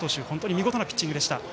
見事なピッチングでした。